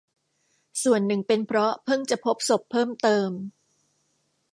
ส่วนหนึ่งเป็นเพราะเพิ่งจะพบศพเพิ่มเติม